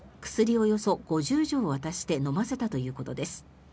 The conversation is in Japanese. およそ５０錠を渡して飲ませたということです。